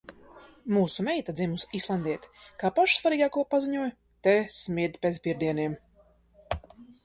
Mūsu meita, dzimusi islandiete, kā pašu svarīgāko paziņoja: te smird pēc pirdieniem.